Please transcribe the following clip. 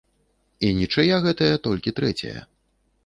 І нічыя гэтая толькі трэцяя.